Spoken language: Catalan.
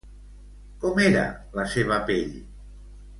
Com era la seva pell?